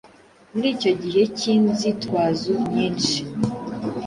Muri icyo gihe cy’inzitwazo nyinshi,